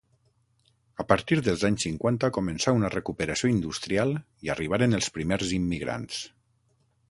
A partir dels anys cinquanta començà una recuperació industrial i arribaren els primers immigrants.